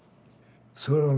それをね